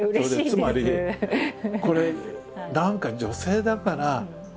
つまりこれ何か「女性だから」